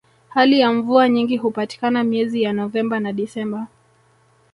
hali ya mvua nyingi hupatikana miezi ya novemba na desemba